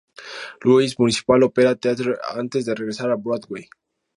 Louis Municipal Opera Theatre antes de regresar a Broadway.